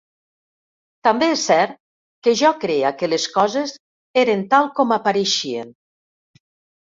També és cert que jo creia que les coses eren tal com apareixien